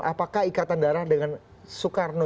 apakah ikatan darah dengan soekarno